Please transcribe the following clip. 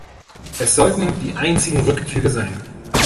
Es sollten die einzigen Rückzüge sein.